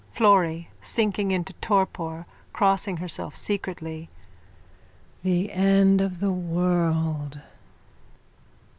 _ FLORRY: (Sinking into torpor, crossing herself secretly.) The end of the world!